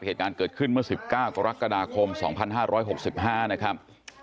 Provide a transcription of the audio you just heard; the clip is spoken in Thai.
เหตุการณ์เกิดขึ้นเมื่อ๑๙กรกฎาคม๒๕๖๕นะครับ